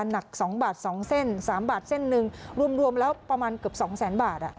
หนัก๒บาท๒เส้น๓บาท๑เส้นรวมแล้วประมาณเกือบ๒๐๐๐๐๐บาท